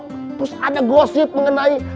terus ada gosip mengenai